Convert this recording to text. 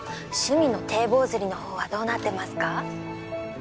趣味の堤防釣りのほうはどうなってますか？